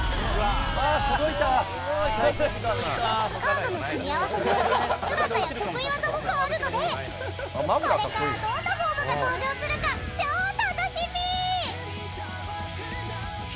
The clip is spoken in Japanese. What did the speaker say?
カードの組み合わせによって姿や得意技も変わるのでこれから、どんなフォームが登場するか超楽しみ！